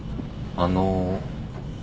あの。